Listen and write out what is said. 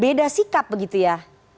berbeda sikap begitu ya